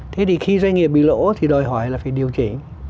thế thì khi doanh nghiệp bị lỗ thì đòi hỏi là phải điều chỉnh